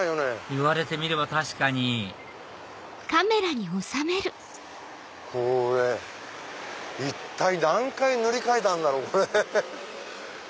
言われてみれば確かにこれ一体何回塗り替えたんだろう？